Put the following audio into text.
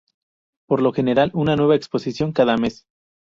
Por lo general, una nueva exposición cada mes.